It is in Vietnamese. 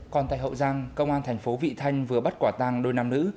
còn tại hậu giang công an thành phố vị thanh vừa bắt quả tàng đôi nam nữ